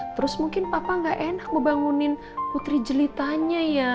terus mungkin papa gak enak ngebangunin putri jelitanya ya